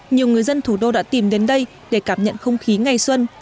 nhiều người dân thủ đô đã tìm đến đây để cảm nhận không khí ngày xuân